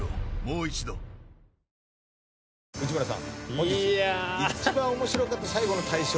本日一番面白かった最後の大賞。